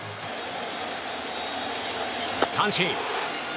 三振。